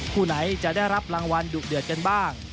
คู่ไหนจะได้รับรางวัลดุเดือดกันบ้าง